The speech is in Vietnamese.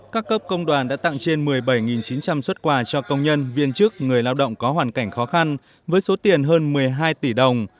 các cấp công đoàn đã tặng trên một mươi bảy chín trăm linh xuất quà cho công nhân viên chức người lao động có hoàn cảnh khó khăn với số tiền hơn một mươi hai tỷ đồng